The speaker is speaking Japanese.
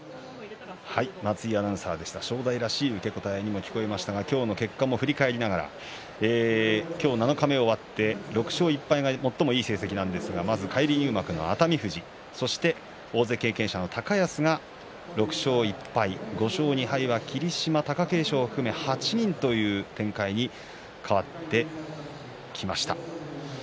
正代らしい受け答えにも聞こえましたが今日の結果も振り返りながら今日七日目終わって６勝１敗が最もいい成績なんですが返り入幕の熱海富士そして大関経験者の高安が６勝１敗５勝２敗は霧島、貴景勝を含め８人という展開に変わってきました。